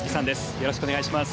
よろしくお願いします。